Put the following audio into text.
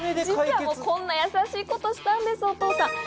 実はこんな優しいことをしたんです、お父さん。